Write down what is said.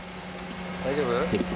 大丈夫？